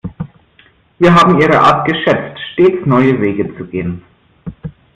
Wir haben ihre Art geschätzt, stets neue Wege zu gehen.